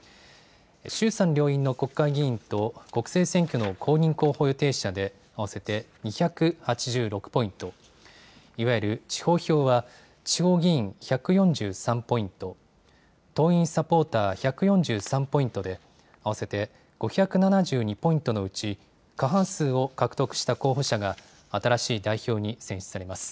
衆参両院の国会議員と国政選挙の公認候補予定者で合わせて２８６ポイント、いわゆる地方票は、地方議員１４３ポイント、党員・サポーター１４３ポイントで、合わせて５７２ポイントのうち、過半数を獲得した候補者が、新しい代表に選出されます。